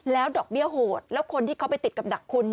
แล้วดอกเบี้ยโหดแล้วคนที่เขาไปติดกับดักคุณ